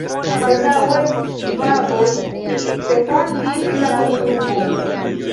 Baldaŭe ŝvaboj refondis la komunumon.